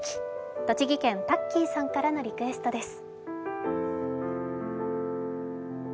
栃木県・タッキーさんからのリクエストです。